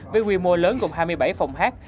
với quy mô lớn gồm hai mươi bảy phòng hát